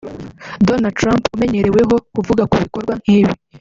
Donald Trump umenyereweho kuvuga ku bikorwa nk’ibi